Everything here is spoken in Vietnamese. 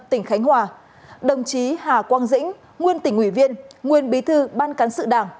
tỉnh khánh hòa đồng chí hà quang dĩnh nguyên tỉnh ủy viên nguyên bí thư ban cán sự đảng